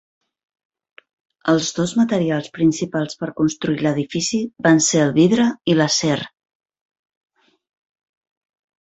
Els dos materials principals per construir l'edifici van ser el vidre i l'acer.